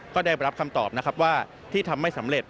ก็ได้รับคำตอบนะครับว่าที่ทำไม่สำเร็จ